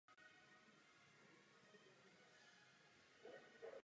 Maďarský laureát Nobelovy ceny György Oláh vynalezl koncept metanolové ekonomiky.